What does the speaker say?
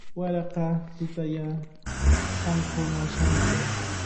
Waraqa tutalla qamkuna shamuy.